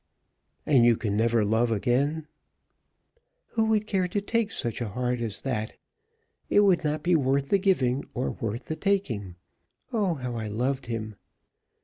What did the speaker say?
"And you can never love again?" "Who would take such a heart as that? It would not be worth the giving or worth the taking. Oh how I loved him!"